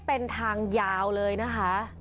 เป็นทางยาวเลยนะคะ